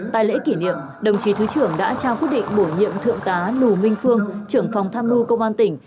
tại lễ kỷ niệm đồng chí thứ trưởng đã trao khuất định bổ nhiệm thượng tá nù minh phương trưởng phòng tham nu công an tỉnh